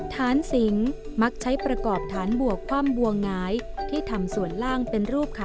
ฐานสิงมักใช้ประกอบฐานบวกคว่ำบัวหงายที่ทำส่วนล่างเป็นรูปขา